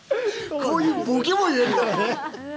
こういうボケも言えるからね。